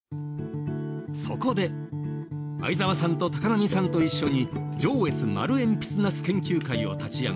そこで相澤さんと高波さんと一緒に「上越丸えんぴつナス研究会」を立ち上げ